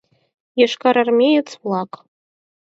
Йошкарармеец-влак.